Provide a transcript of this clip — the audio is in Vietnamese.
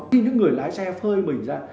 khi những người lái xe phơi mình ra